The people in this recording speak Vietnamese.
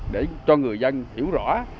để cho người dân hiểu rõ